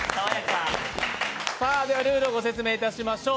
ではルールをご説明いたしましょう。